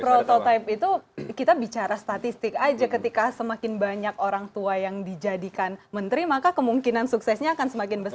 prototipe itu kita bicara statistik aja ketika semakin banyak orang tua yang dijadikan menteri maka kemungkinan suksesnya akan semakin besar